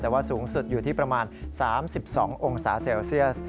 แต่ว่าสูงสุดอยู่ที่ประมาณ๓๒องศาเซลเซียส